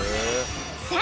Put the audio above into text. さあ